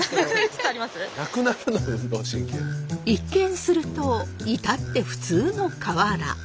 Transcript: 一見すると至って普通の河原。